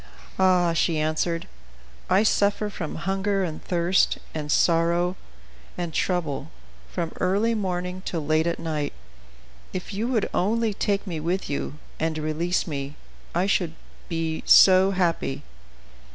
"Ah!" she answered, "I suffer from hunger and thirst, and sorrow, and trouble, from early morning till late at night; if you would only take me with you, and release me, I should be so happy."